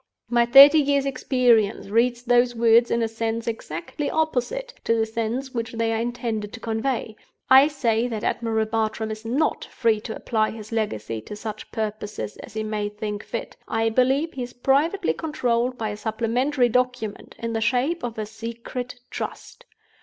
My thirty years' experience reads those words in a sense exactly opposite to the sense which they are intended to convey. I say that Admiral Bartram is not free to apply his legacy to such purposes as he may think fit; I believe he is privately controlled by a supplementary document in the shape of a Secret Trust.